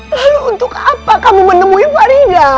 lalu untuk apa kamu menemui farida